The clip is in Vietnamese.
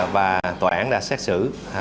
và tòa án đã xét xử